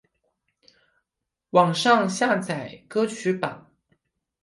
网上下载歌曲榜